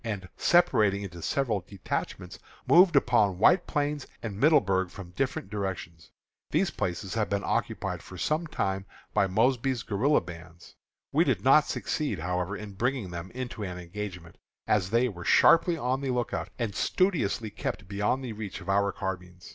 and, separating into several detachments, moved upon White Plains and Middleburg from different directions. These places have been occupied for some time past by Mosby's guerilla bands. We did not succeed, however, in bringing them into an engagement, as they were sharply on the lookout, and studiously kept beyond the reach of our carbines.